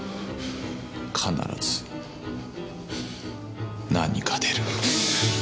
必ず何か出る。